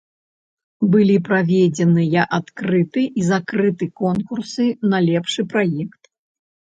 Былі праведзеныя адкрыты і закрыты конкурсы на лепшы праект.